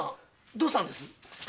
どうしたんです？